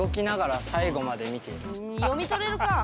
読み取れるかあ！